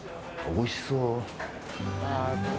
おいしそう。